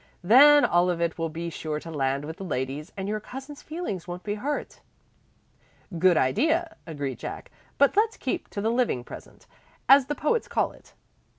Then all of it will be sure to land with the ladies, and your cousin's feelings won't be hurt." "Good idea," agreed Jack, "but let's keep to the living present, as the poets call it.